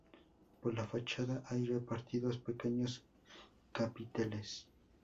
Por la fachada hay repartidos pequeños capiteles.